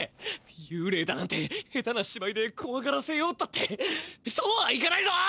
ゆうれいだなんて下手なしばいでこわがらせようったってそうはいかないぞ！